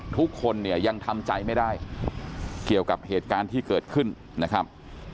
ทุกคนเนี่ยยังทำใจไม่ได้เกี่ยวกับเหตุการณ์ที่เกิดขึ้นนะครับ